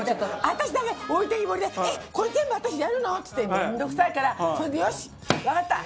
私だけ置いてきぼりで「えっ！これ全部私やるの！？」っつって。面倒くさいからそれで「よしわかった。